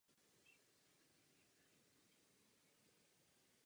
To je zcela nepochopitelné a odsouzeníhodné.